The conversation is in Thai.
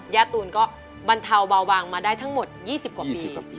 ตูนก็บรรเทาเบาวางมาได้ทั้งหมด๒๐กว่าปี